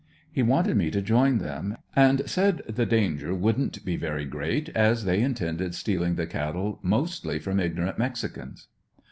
He wanted me to join them; and said the danger wouldn't be very great, as they intended stealing the cattle mostly from ignorant mexicans.